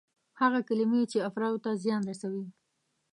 هغه کلمې چې افرادو ته زیان رسوي.